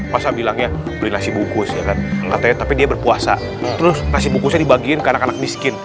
masa bilangnya beli nasi bungkus ya kan katanya tapi dia berpuasa terus nasi bungkusnya dibagiin ke anak anak miskin